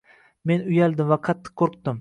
Men uyaldim va qattiq qoʻrqdim.